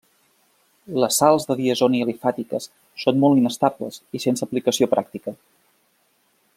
Les sals de diazoni alifàtiques són molt inestables i sense aplicació pràctica.